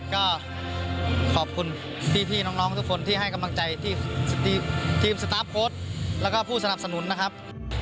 ก็ขอบคุณพี่น้องทุกคนที่ให้กำลังใจทีมสตาร์ฟโค้ดแล้วก็ผู้สนับสนุนนะครับ